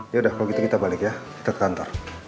yaudah kalau gitu kita balik ya kita ke kantor